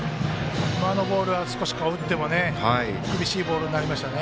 今のボールは打っても厳しいボールでしたね。